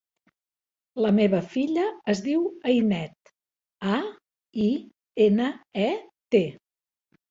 La meva filla es diu Ainet: a, i, ena, e, te.